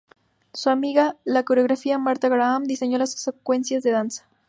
Su amiga, la coreógrafa Martha Graham, diseñó las secuencias de danza.